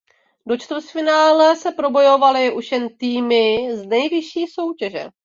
Do čtvrtfinále se probojovaly už jen týmy z nejvyšší soutěže.